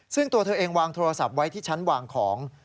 ซึ่งตัวเธอเองวางโทรศัพท์ไว้ที่ชั้นวางของ